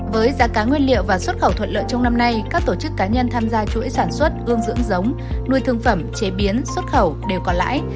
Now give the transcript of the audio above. với giá cá nguyên liệu và xuất khẩu thuận lợi trong năm nay các tổ chức cá nhân tham gia chuỗi sản xuất ương dưỡng giống nuôi thương phẩm chế biến xuất khẩu đều có lãi